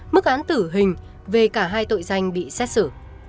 mức án tử hình về cả hai tội danh bị xét xử